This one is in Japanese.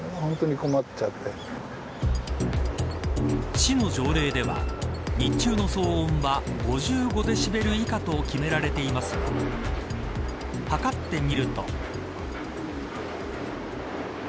市の条例では日中の騒音は、５５デシベル以下と決められていますが測ってみると。